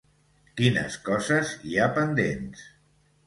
Quines coses hi ha pendents?